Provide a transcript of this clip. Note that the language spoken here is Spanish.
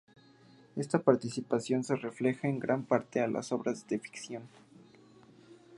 Esta participación se refleja en gran parte de sus obras de ficción.